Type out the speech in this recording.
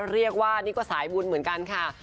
เรียกว่านี่ก็สายบุญเหมือนกันค่ะ